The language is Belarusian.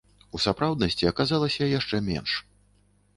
У сапраўднасці аказалася яшчэ менш.